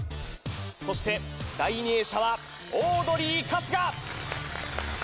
そして第２泳者はオードリー春日